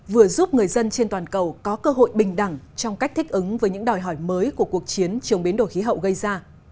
vừa giúp người dân trên toàn cầu có cơ hội bình đẳng trong cách thích ứng với những đòi hỏi mới của cuộc chiến chống biến đổi khí hậu gây ra